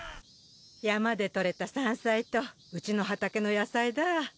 山で採れた山菜とうちの畑の野菜だぁ。